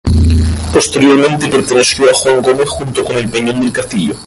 Posteriormente perteneció a Juan Gómez junto con el Peñón del Castillo.